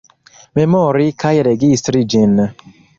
Memori kaj registri ĝin.